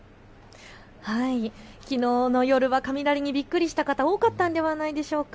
きのうの夜は雷にびっくりした方、多かったんではないでしょうか。